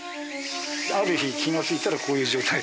ある日気が付いたらこういう状態。